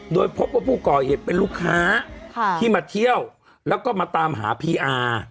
โดยพบว่าผู้ก่อเหตุเป็นลูกค้าที่มาเที่ยวแล้วก็มาตามหาพีอาร์